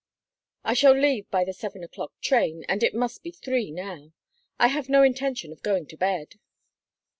"I shall leave by the seven o'clock train, and it must be three now. I have no intention of going to bed."